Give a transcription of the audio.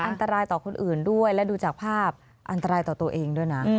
อันตรายต่อคนอื่นด้วยและดูจากภาพอันตรายต่อตัวเองด้วยนะ